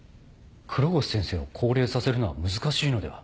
黒越先生を降霊させるのは難しいのでは？